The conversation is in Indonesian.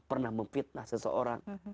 pernah memfitnah seseorang